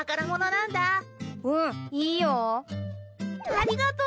ありがとう！